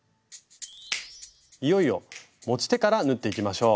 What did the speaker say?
いよいよ持ち手から縫っていきましょう。